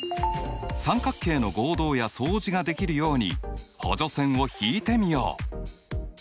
三角形の合同や相似ができるように補助線を引いてみよう。